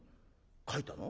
書いたの？